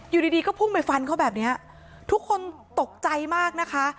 อยู่ดีดีก็พุ่งไปฟันเขาแบบนี้ทุกคนตกใจมากนะคะ